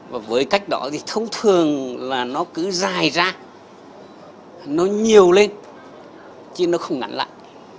và với cách đó thì thông thường là nó cứ dài ra nó nhiều lên chứ nó không ngắn lại